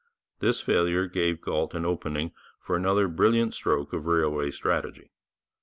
This failure gave Galt an opening for another brilliant stroke of railway strategy.